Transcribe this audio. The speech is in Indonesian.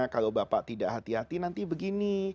kalau bapak tidak hati hati nanti begini